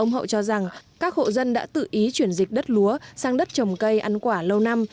ông hậu cho rằng các hộ dân đã tự ý chuyển dịch đất lúa sang đất trồng cây ăn quả lâu năm